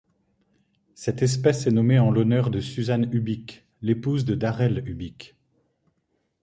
Cette espèce est nommée en l'honneur de Suzanne Ubick l'épouse de Darrell Ubick.